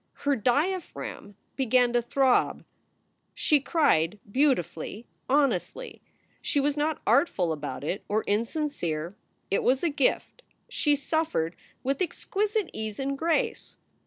Her diaphragm began to throb. She cried beautifully, honestly. She was not artful about it, or insincere. It was a gift. She suffered with exquisite ease and grace.